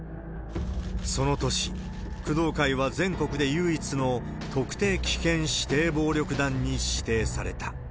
その年、工藤会は全国で唯一の特定危険指定暴力団に指定された。